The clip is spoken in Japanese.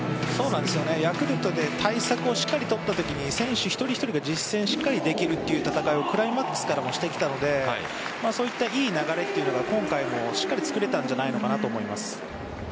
ヤクルトで対策をしっかりとったとき選手一人一人が実戦でしっかりできるという戦いクライマックスからもしてきたのでそういった良い流れが今回もしっかり作れたんじゃないのかなと思います。